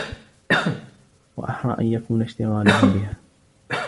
وَأَحْرَى أَنْ يَكُونَ اشْتِغَالُهُمْ بِهَا